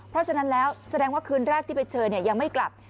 เพราะฉะนั้นแล้วแสดงว่าคืนแรกที่ไปเชิญยังไม่กลับ